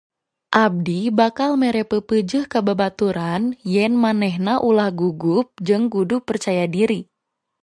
Abdi bakal mere peupeujeuh ka babaturan yen manehna ulah gugup jeung kudu percaya diri